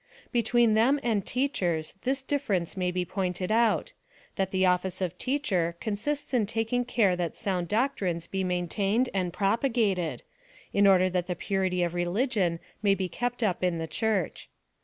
Between them and Teachers this difference may be pointed out, that fche office of Teacher consists in taking care that sound doctrines be^ maintained and propagated, in order that the purity of religion may be kept up in the Church.